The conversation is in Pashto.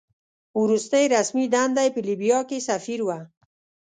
وروستۍ رسمي دنده یې په لیبیا کې سفیر وه.